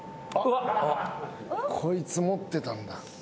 こいつ持ってたんだ。